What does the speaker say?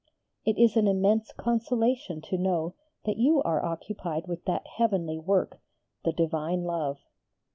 It is an immense consolation to know that you are occupied with that heavenly work "the Divine Love."